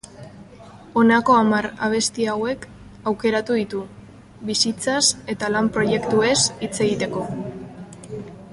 Honako hamar abesti hauek aukeratu ditu, bizitzaz eta lan proiektuez hitz egiteko.